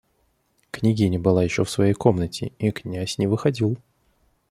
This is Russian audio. Княгиня была еще в своей комнате, и князь не выходил.